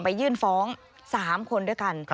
ยื่นฟ้อง๓คนด้วยกัน